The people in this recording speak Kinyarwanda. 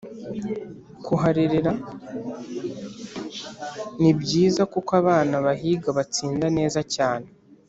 kuharerera ni byiza kuko abana bahiga batsinda neza cyane.